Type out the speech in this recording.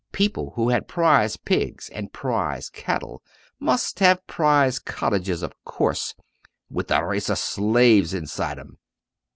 People who had prize pigs and prize cattle must have prize cottages of course "with a race of slaves inside 'em!"